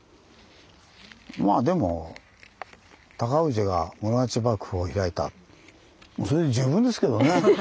まあでも尊氏が室町幕府を開いたもうそれで十分ですけどね。